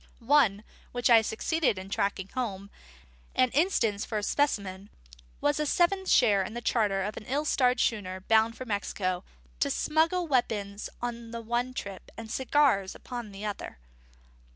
One, which I succeeded in tracking home, and instance for a specimen, was a seventh share in the charter of a certain ill starred schooner bound for Mexico, to smuggle weapons on the one trip, and cigars upon the other.